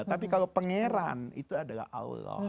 tapi kalau pangeran itu adalah allah